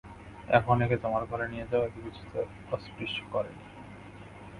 এখন এঁকে তোমার ঘরে নিয়ে যাও, একে কিছুতে অস্পৃশ্য করে নি।